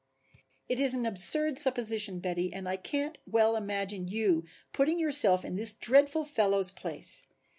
"It is an absurd supposition, Betty, and I can't well imagine your putting yourself in this dreadful fellow's place.